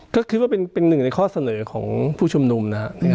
ก็คิดว่าเป็นหนึ่งในข้อเสนอของผู้ชุมนุมนะครับ